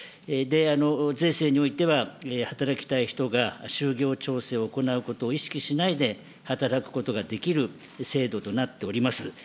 税制においては、働きたい人が、就業調整を行うことを意識しないで働くことができる制度となっております。